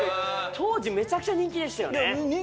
当時めちゃくちゃ人気でしたよね。